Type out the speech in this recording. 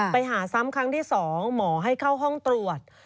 ไปหาซ้ำครั้งที่๒หมอให้เข้าห้องตรวจ